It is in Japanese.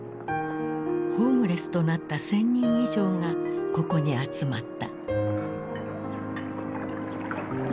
ホームレスとなった１，０００人以上がここに集まった。